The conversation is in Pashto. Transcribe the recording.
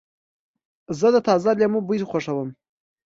زه د تازه لیمو بوی خوښوم.